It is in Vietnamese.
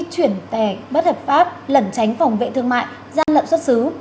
chuyển tài bất hợp pháp lẩn tránh phòng vệ thương mại gian lậm xuất xứ